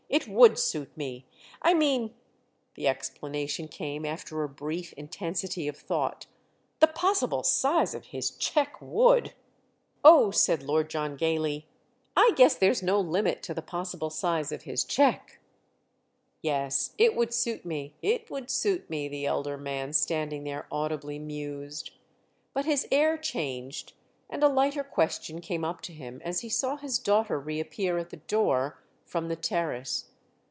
"It would suit me. I mean"—the explanation came after a brief intensity of thought—"the possible size of his cheque would." "Oh," said Lord John gaily, "I guess there's no limit to the possible size of his cheque!" "Yes, it would suit me, it would suit me!" the elder man, standing there, audibly mused. But his air changed and a lighter question came up to him as he saw his daughter reappear at the door from the terrace.